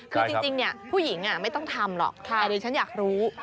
คือจริงผู้หญิงไม่ต้องทำหรอกแต่ดิฉันอยากรู้